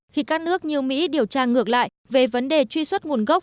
khi các nước như mỹ điều tra ngược lại về vấn đề truy xuất nguồn gốc